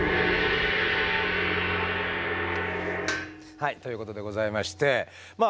はいということでございましてまあ